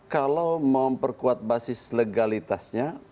kalau memperkuat basis legalitasnya